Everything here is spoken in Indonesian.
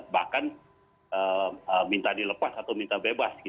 bahkan minta dilepas atau minta bebas